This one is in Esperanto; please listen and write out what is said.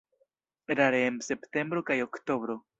Rare en septembro kaj oktobro.